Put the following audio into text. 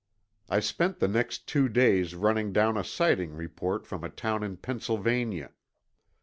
I spent the next two days running down a sighting report from a town in Pennsylvania.